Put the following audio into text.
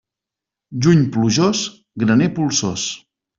Juny plujós, graner polsós.